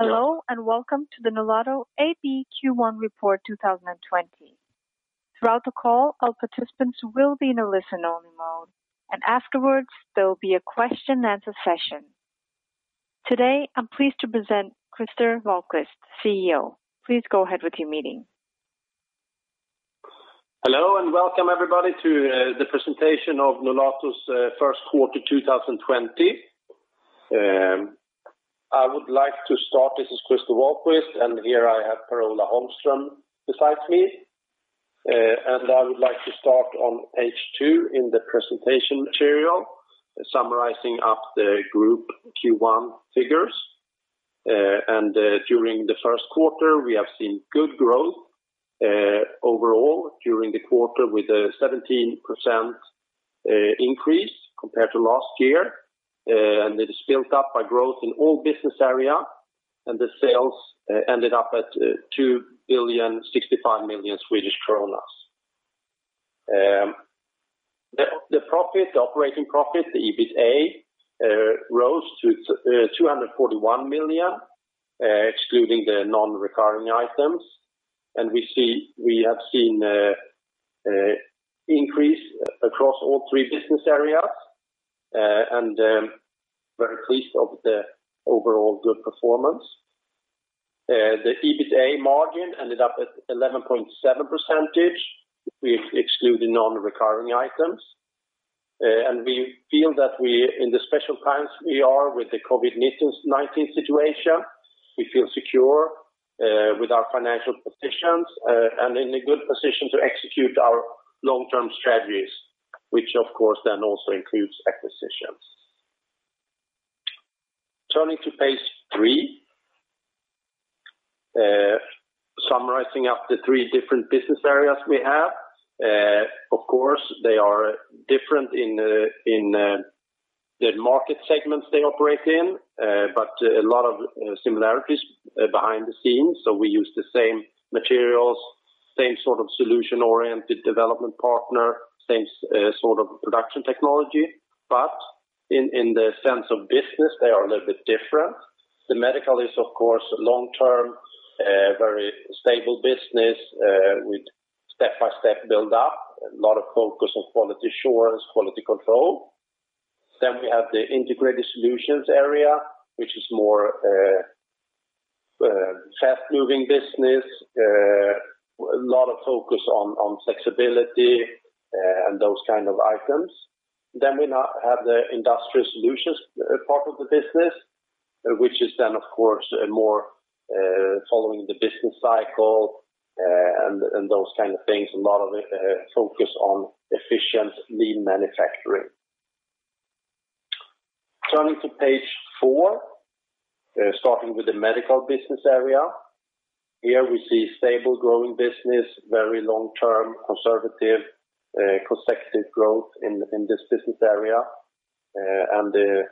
Hello, welcome to the Nolato AB Q1 Report 2020. Throughout the call, all participants will be in a listen-only mode, and afterwards, there will be a question-and-answer session. Today, I'm pleased to present Christer Wahlquist, CEO. Please go ahead with your meeting. Hello, and welcome everybody to the presentation of Nolato's first quarter 2020. I would like to start. This is Christer Wahlquist. Here I have Per-Ola Holmström beside me. I would like to start on page two in the presentation material, summarizing up the group Q1 figures. During the first quarter, we have seen good growth overall during the quarter with a 17% increase compared to last year, and it is built up by growth in all business area, and the sales ended up at 2,065 million Swedish kronor. The profit, the operating profit, the EBITDA, rose to 241 million, excluding the non-recurring items. We have seen an increase across all three business areas, and we're pleased of the overall good performance. The EBITDA margin ended up at 11.7%, excluding the non-recurring items. We feel that in the special times we are with the COVID-19 situation, we feel secure with our financial positions and in a good position to execute our long-term strategies, which of course then also includes acquisitions. Turning to page three, summarizing up the three different business areas we have. Of course, they are different in the market segments they operate in, but a lot of similarities behind the scenes. We use the same materials, the same sort of solution-oriented development partner, same sort of production technology. In the sense of business, they are a little bit different. The medical is, of course, a long-term, very stable business with a step-by-step build-up, a lot of focus on quality assurance, and quality control. We have the Integrated Solutions area, which is more a fast-moving business, a lot of focus on flexibility, and those kinds of items. We now have the Industrial Solutions part of the business, which is, of course, more following the business cycle and those kinds of things, a lot of focus on efficient lean manufacturing. Turning to page four, starting with the medical business area. Here we see a stable, growing business, very long-term, conservative, consecutive growth in this business area. The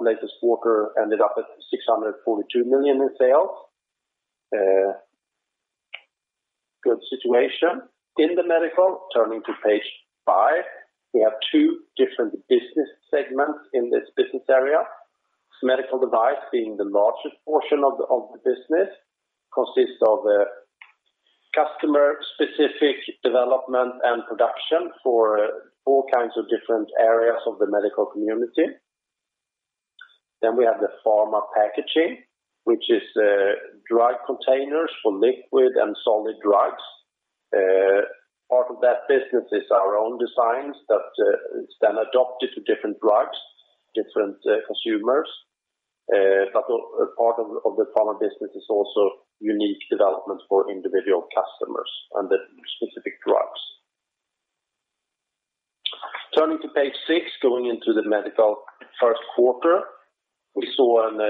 latest quarter ended up at 642 million in sales. Good situation in the medical. Turning to page five, we have two different business segments in this business area. Medical devices, being the largest portion of the business, consists of customer-specific development and production for all kinds of different areas of the medical community. We have the pharma packaging, which is dry containers for liquid and solid drugs. Part of that business is our own designs that it’s then adopted to different drugs, different consumers. Part of the pharma business is also unique developments for individual customers and the specific drugs. Turning to page six, going into the medical first quarter. We saw an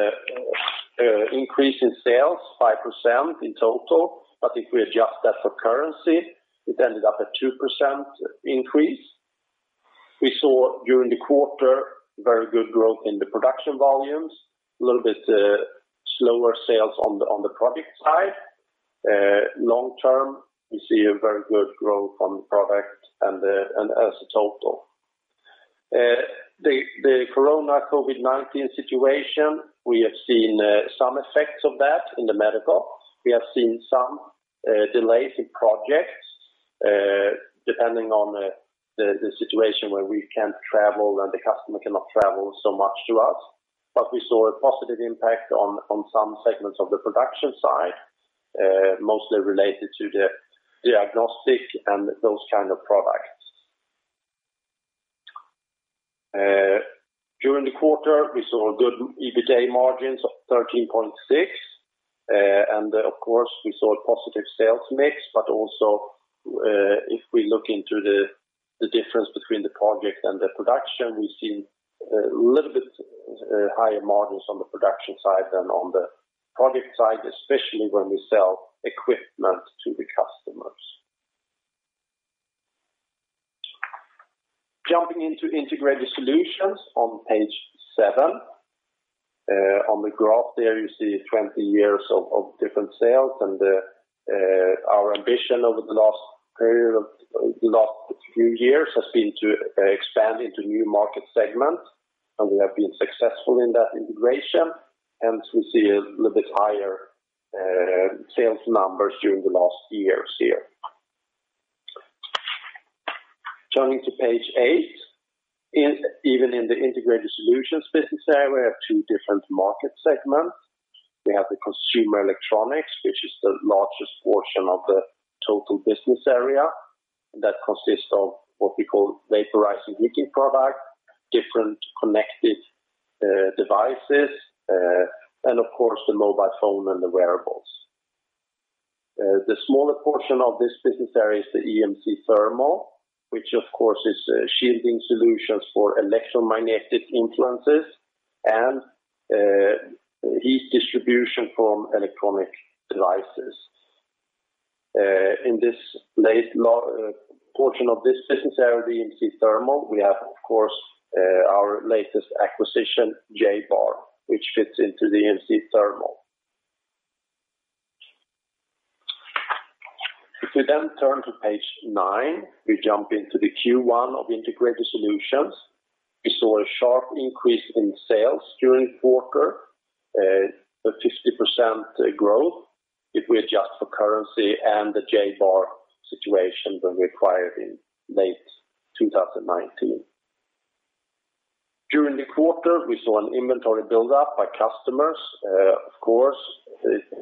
increase in sales 5% in total; if we adjust that for currency, it ended up at 2% increase. We saw during the quarter very good growth in the production volumes, a little bit slower sales on the project side. Long-term, we see a very good growth on the product and as a total. The corona COVID-19 situation, we have seen some effects of that in the medical. We have seen some delays in projects, depending on the situation, where we can travel, and the customer cannot travel to us as much. We saw a positive impact on some segments of the production side, mostly related to the diagnostic and those kinds of products. During the quarter, we saw good EBITA margins of 13.6%. Of course, we saw a positive sales mix, but also if we look into the difference between the project and the production, we see a little bit higher margins on the production side than on the project side, especially when we sell equipment to the customers. Jumping into Integrated Solutions on page seven. On the graph there, you see 20 years of different sales, and our ambition over the last period of few years has been to expand into new market segments, and we have been successful in that integration, and we see a little bit higher sales numbers during the last years here. Turning to page eight, even in the Integrated Solutions business area, we have two different market segments. We have the consumer electronics, which is the largest portion of the total business area. That consists of what we call Vaporizer Heating Products, different connected devices, and, of course, the mobile phone and the wearables. The smaller portion of this business area is the EMC thermal, which, of course, is shielding solutions for electromagnetic influences and heat distribution from electronic devices. In this portion of this business area, the EMC thermal, we have, of course, our latest acquisition, Ja-Bar, which fits into the EMC thermal. If we turn to page nine, we jump into the Q1 of Integrated Solutions. We saw a sharp increase in sales during the quarter, a 50% growth if we adjust for currency and the Ja-Bar situation when we acquired in late 2019. During the quarter, we saw an inventory buildup by customers. Of course,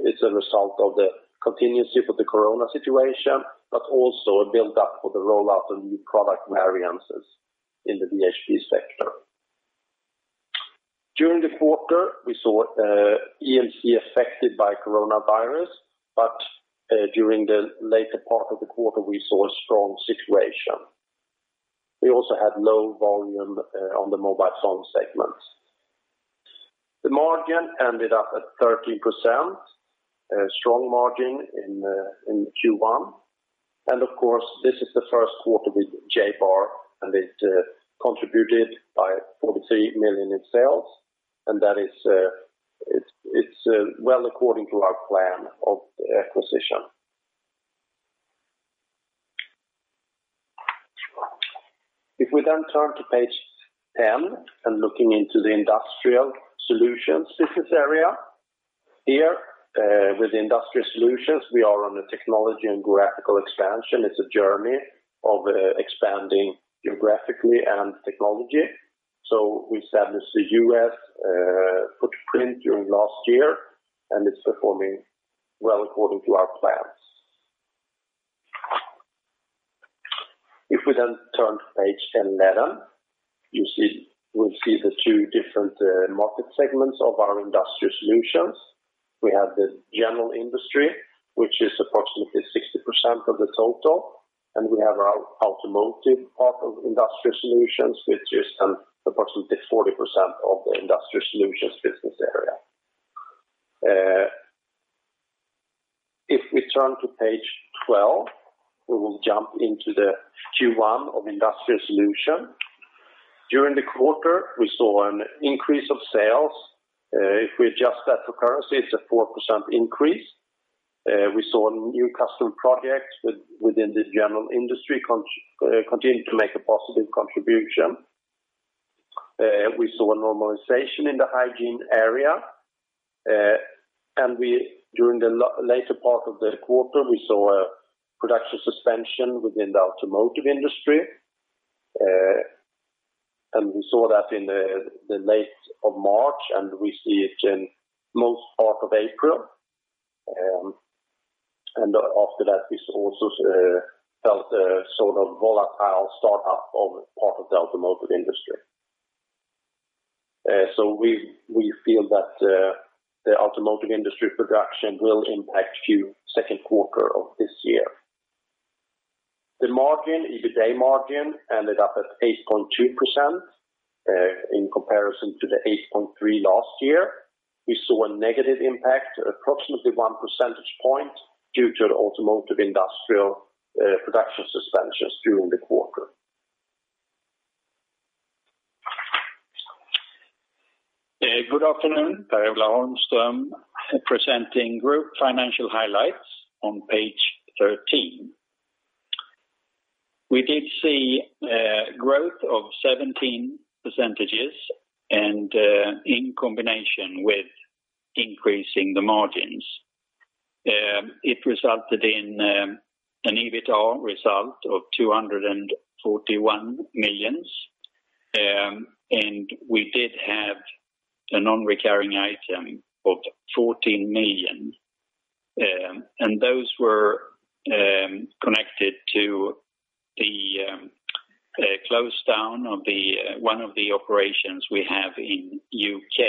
it's a result of the continuity of the corona situation, but also a buildup for the rollout of new product variants in the VHP sector. During the quarter, we saw EMC affected by the coronavirus, but during the later part of the quarter, we saw a strong situation. We also had low volume on the mobile phone segments. The margin ended up at 13%, a strong margin in Q1, and of course, this is the first quarter with Ja-Bar, and it contributed by 43 million in sales, and that is well according to our plan of the acquisition. If we then turn to page 10 and look into the Industrial Solutions business area. Here, with Industrial Solutions, we are on a technology and graphical expansion. It's a journey of expanding geographically and in technology. We established a U.S. footprint during last year, and it's performing well according to our plans. If we then turn to pages 10 and 11, we'll see the two different market segments of our Industrial Solutions. We have the General Industry, which is approximately 60% of the total, and we have our Automotive part of Industrial Solutions, which is approximately 40% of the Industrial Solutions business area. If we turn to page 12, we will jump into the Q1 of Industrial Solutions. During the quarter, we saw an increase of sales. If we adjust that for currency, it's a 4% increase. We saw new customer projects within the General Industry continue to make a positive contribution. We saw a normalization in the hygiene area. During the later part of the quarter, we saw a production suspension within the automotive industry. We saw that in late of March, and we see it in most parts of April. After that, we also felt a sort of volatile start-up of part of the automotive industry. We feel that the automotive industry production will impact the second quarter of this year. The margin, EBITDA margin, ended up at 8.2% in comparison to the 8.3% last year. We saw a negative impact, approximately one percentage point, due to the automotive industrial production suspensions during the quarter. Good afternoon. Per-Ola Holmström presenting group financial highlights on page 13. We did see growth of 17%, and in combination with increasing the margins. It resulted in an EBITDA result of 241 million. We did have a non-recurring item of 14 million, and those were connected to the close down of one of the operations we have in the UK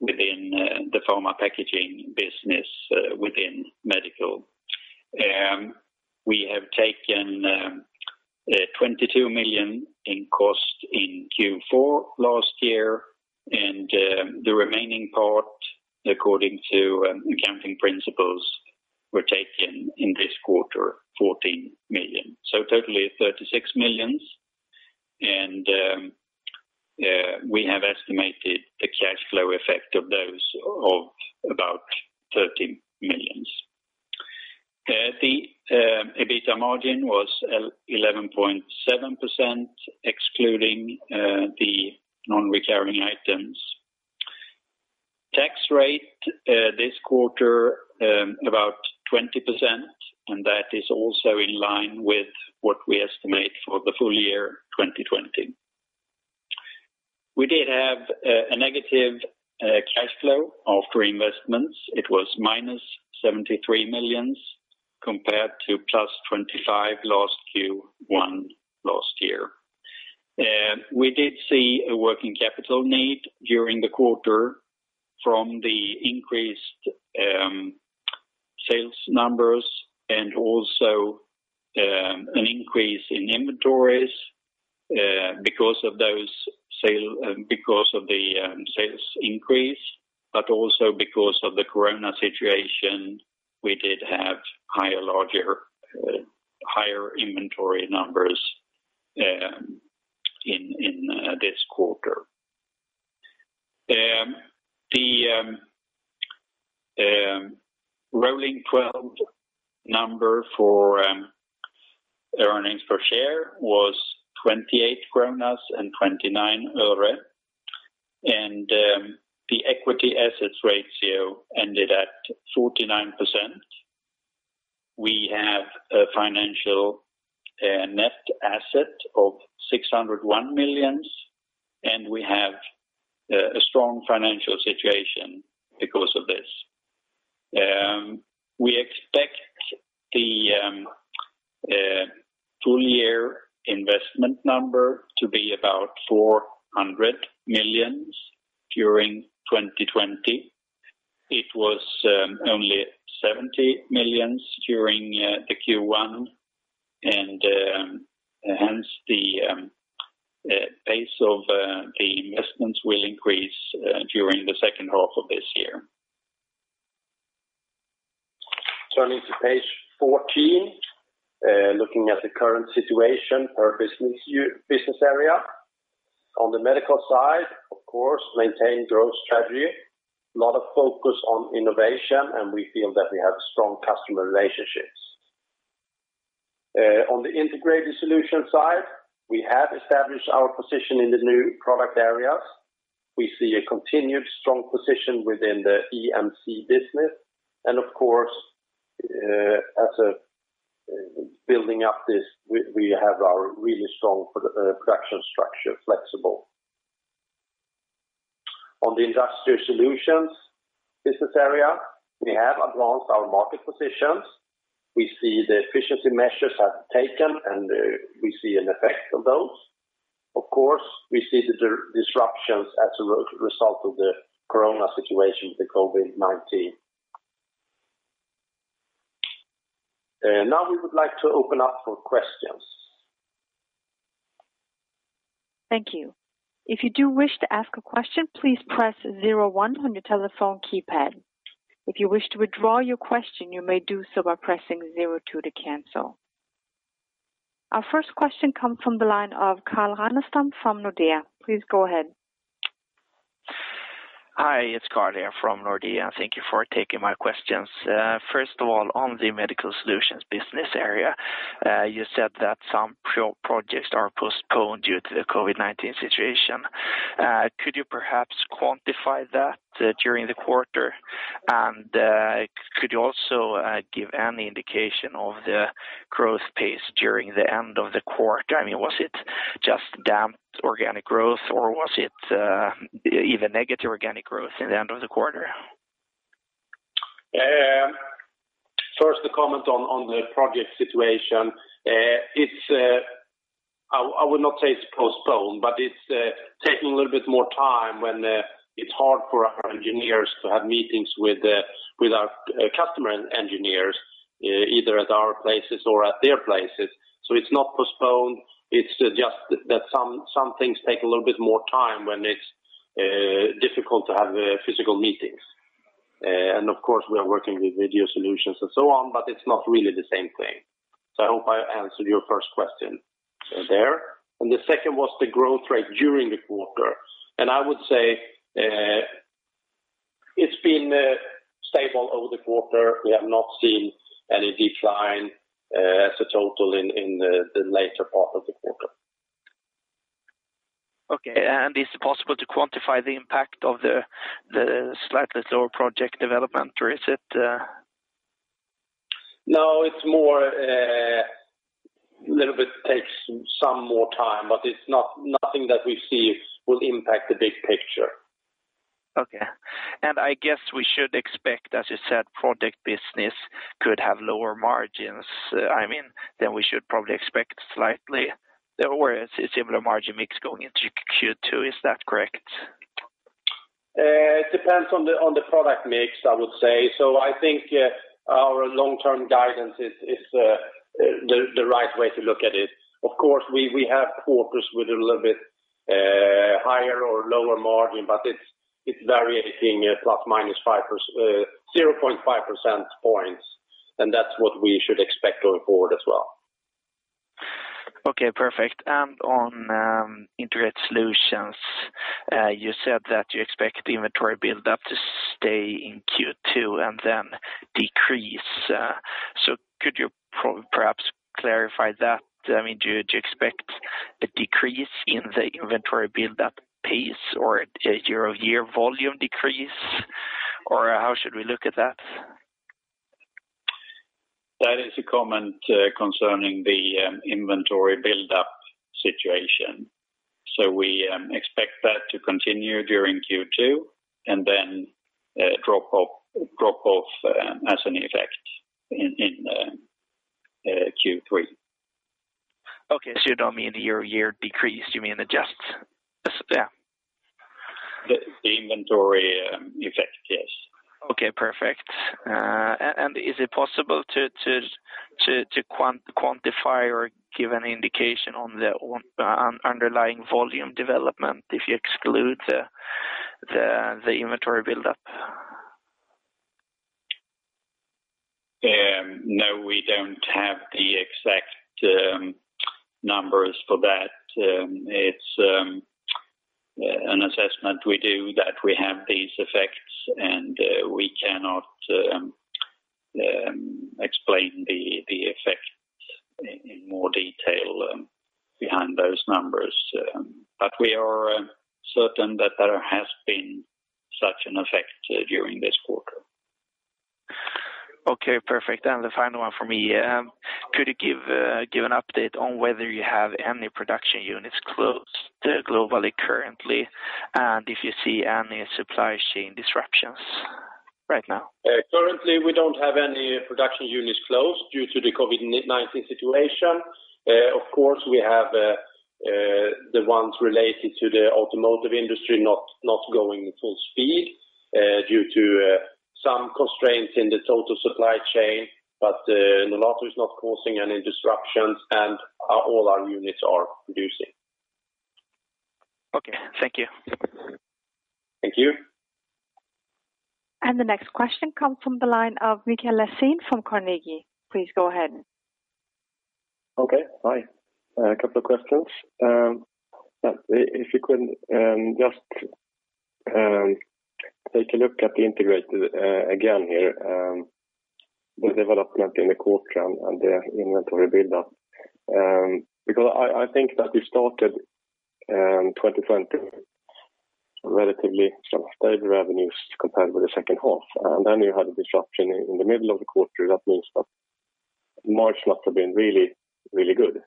within the pharma packaging business within medical. We have taken 22 million in costs in Q4 last year, and the remaining part, according to accounting principles, was taken in this quarter, 14 million. Totally 36 million. We have estimated the cash flow effect of those of about 30 million. The EBITDA margin was 11.7%, excluding the non-recurring items. Tax rate this quarter, about 20%. That is also in line with what we estimate for the full year 2020. We did have a negative cash flow after investments. It was -73 million compared to +25 million last Q1 last year. We did see a working capital need during the quarter from the increased sales numbers and also an increase in inventories because of the sales increase, but also because of the COVID-19 situation; we did have higher inventory numbers in this quarter. The rolling 12-month number for earnings per share was 28 kronor and 29. The equity assets ratio ended at 49%. We have a financial net asset of 601 million. We have a strong financial situation because of this. We expect the full-year investment number to be about 400 million during 2020. It was only 70 million during Q1, hence the pace of the investments will increase during the second half of this year. Turning to page 14, looking at the current situation per business area. On the Medical side, of course, maintain a growth strategy, a lot of focus on innovation, we feel that we have strong customer relationships. On the Integrated Solution side, we have established our position in the new product areas. We see a continued strong position within the EMC business. Of course, as we're building up this, we have our really strong production structure, flexible. On the Industrial Solutions business area, we have advanced our market positions. We see the efficiency measures that have been taken, and we see an effect of those. Of course, we see the disruptions as a result of the coronavirus situation, the COVID-19. We would like to open up for questions. Thank you. If you do wish to ask a question, please press zero one on your telephone keypad. If you wish to withdraw your question, you may do so by pressing zero two to cancel. Our first question comes from the line of Carl Ragnerstam from Nordea. Please go ahead. Hi, it's Carl here from Nordea. Thank you for taking my questions. First of all, on the medical solutions business area, you said that some projects are postponed due to the COVID-19 situation. Could you perhaps quantify that during the quarter? Could you also give any indication of the growth pace during the end of the quarter? Was it just damped organic growth, or was it even negative organic growth in the end of the quarter? First, the comment on the project situation. I would not say it's postponed, but it's taking a little bit more time when it's hard for our engineers to have meetings with our customer engineers, either at our places or at their places. It's not postponed, it's just that some things take a little bit more time when it's difficult to have physical meetings. Of course, we are working with video solutions and so on, but it's not really the same thing. I hope I answered your first question there. The second was the growth rate during the quarter. I would say it's been stable over the quarter. We have not seen any decline as a total in the later part of the quarter. Okay, is it possible to quantify the impact of the slightly slower project development? No, it takes some more time, but nothing that we see will impact the big picture. Okay. I guess we should expect, as you said, that project business could have lower margins. We should probably expect a slightly or a similar margin mix going into Q2. Is that correct? It depends on the product mix, I would say. I think our long-term guidance is the right way to look at it. Of course, we have quarters with a little bit Higher or lower margin, but it's variating ±0.5% points, and that's what we should expect going forward as well. Okay, perfect. On Integrated Solutions, you said that you expect the inventory build-up to stay in Q2 and then decrease. Could you perhaps clarify that? Do you expect a decrease in the inventory build-up pace or a year-on-year volume decrease, or how should we look at that? That is a comment concerning the inventory build-up situation. We expect that to continue during Q2 and then drop off as an effect in Q3. Okay. You don't mean year-on-year decrease, you mean adjust? Yeah. The inventory effect. Yes. Okay, perfect. Is it possible to quantify or give an indication on the underlying volume development if you exclude the inventory build-up? No, we don't have the exact numbers for that. It's an assessment we do that we have these effects, and we cannot explain the effects in more detail behind those numbers. We are certain that there has been such an effect during this quarter. Okay, perfect. The final one from me. Could you give an update on whether you have any production units closed globally currently, and if you see any supply chain disruptions right now? Currently, we don't have any production units closed due to the COVID-19 situation. Of course, we have the ones related to the automotive industry not going full speed due to some constraints in the total supply chain, but Nolato is not causing any disruptions, and all our units are producing. Okay. Thank you. Thank you. The next question comes from the line of Mikael Laséen from Carnegie. Please go ahead. Okay. Hi. A couple of questions. If you could just take a look at the Integrated again here, the development in the quarter, and the inventory build-up. Because I think that you started 2020 with relatively stable revenues compared with the second half, and then you had a disruption in the middle of the quarter. That means that March must have been really good.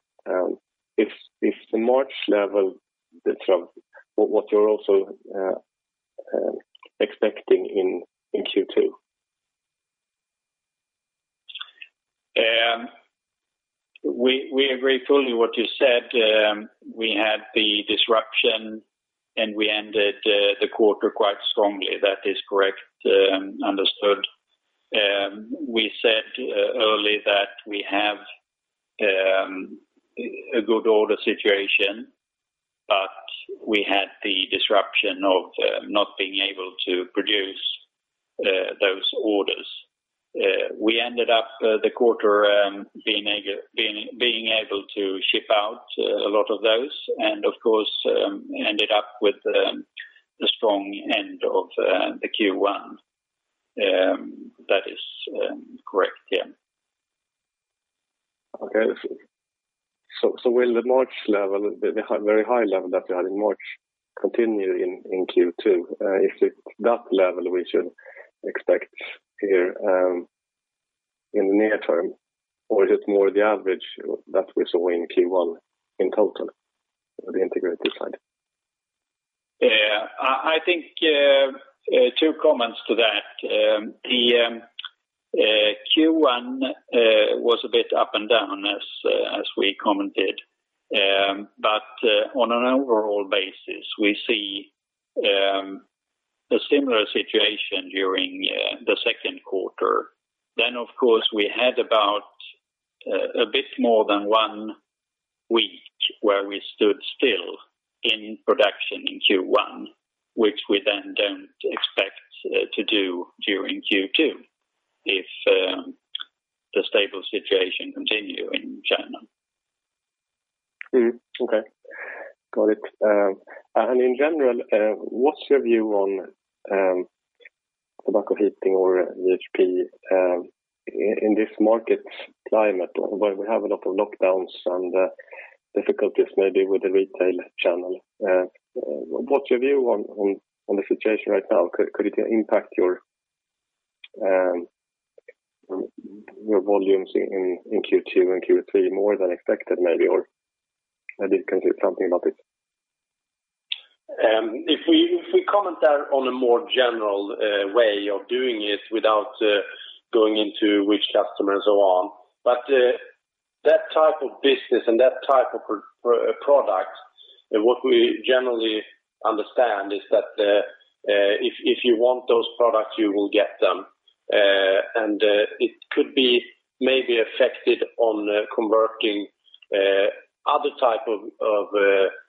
Is the March level what you're also expecting in Q2? We agree fully what you said. We had the disruption, and we ended the quarter quite strongly. That is correct. Understood. We said earlier that we have a good order situation, but we had the disruption of not being able to produce those orders. We ended up the quarter being able to ship out a lot of those, and of course, ended up with the strong end of the Q1. That is correct, yeah. Okay. Will the March level, the very high level that you had in March, continue in Q2? Is it that level we should expect here in the near term, or is it more the average that we saw in Q1 in total for the integrated side? I think two comments to that. The Q1 was a bit up and down, as we commented. On an overall basis, we see a similar situation during the second quarter. Of course, we had about a bit more than one week where we stood still in production in Q1, which we then don't expect to do during Q2 if the stable situation continues in China. Okay. Got it. In general, what's your view on tobacco heating or VHP in this market climate, where we have a lot of lockdowns and difficulties, maybe with the retail channel? What's your view on the situation right now? Could it impact your volumes in Q2 and Q3 more than expected, maybe? Maybe you can say something about it. If we comment there on a more general way of doing it, without going into which customer and so on, but that type of business and that type of product, what we generally understand is that if you want those products, you will get them. It could be maybe affected on converting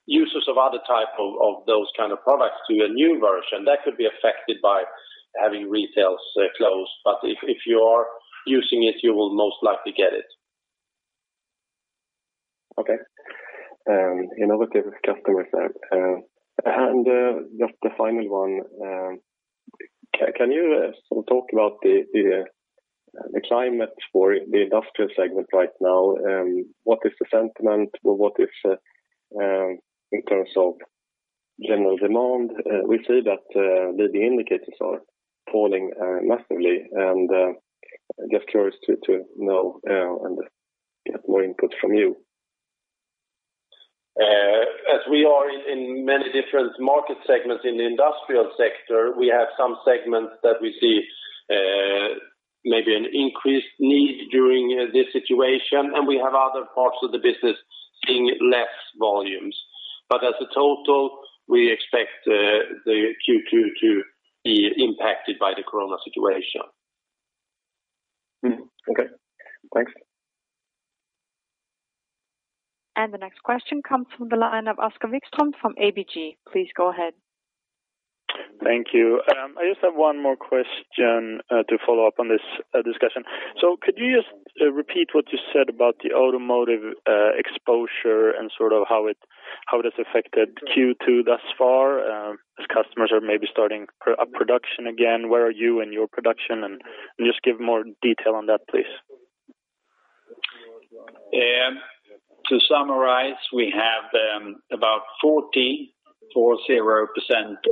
users of other types of those kinds of products to a new version. That could be affected by having retail stores closed. If you are using it, you will most likely get it. Okay. Innovative customers there. Just the final one, can you talk about the climate for the industrial segment right now? What is the sentiment, or what is in terms of general demand? We see that the indicators are falling massively, and just curious to know and get more input from you. As we are in many different market segments in the industrial sector, we have some segments that we see maybe an increased need during this situation, and we have other parts of the business seeing less volume. As a total, we expect Q2 to be impacted by the corona situation. Okay, thanks. The next question comes from the line of Oskar Vikström from ABG. Please go ahead. Thank you. I just have one more question to follow up on this discussion. Could you just repeat what you said about the automotive exposure and sort of how it has affected Q2 thus far, as customers are maybe starting production again? Where are you in your production? Just give more details on that, please. To summarize, we have about 40%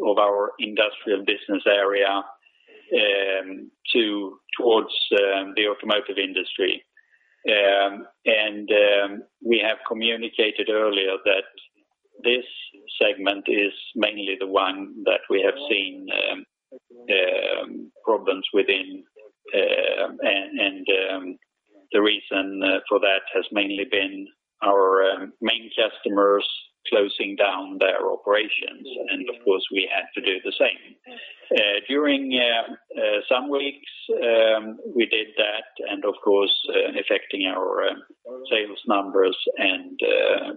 of our industrial business area towards the Automotive Industry. We have communicated earlier that this segment is mainly the one that we have seen problems within, and the reason for that has mainly been our main customers closing down their operations. Of course, we had to do the same. During some weeks, we did that, and of course, affecting our sales numbers and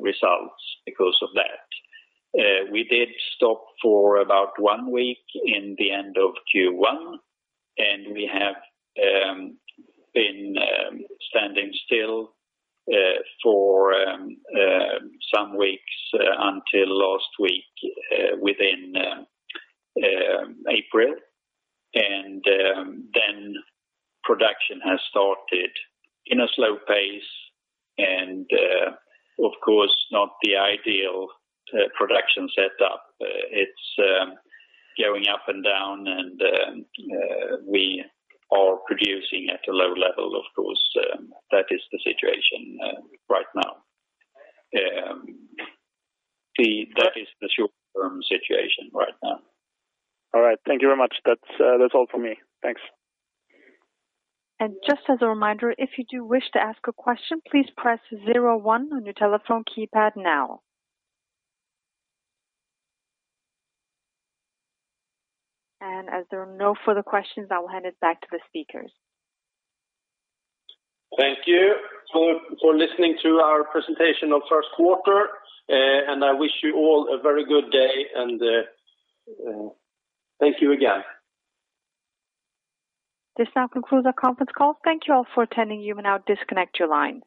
results because of that. We did stop for about one week in the end of Q1, and we have been standing still for some weeks until last week within April. Production has started in a slow pace and, of course, not the ideal production setup. It's going up and down, and we are producing at a low level, of course. That is the situation right now. That is the short-term situation right now. All right. Thank you very much. That's all from me. Thanks. Just as a reminder, if you do wish to ask a question, please press zero one on your telephone keypad now. As there are no further questions, I will hand it back to the speakers. Thank you for listening to our presentation of the first quarter, and I wish you all a very good day. Thank you again. This now concludes our conference call. Thank you all for attending. You may now disconnect your line.